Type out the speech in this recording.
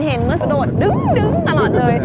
เห็นเมื่อกระโดดเดื้งได้เลย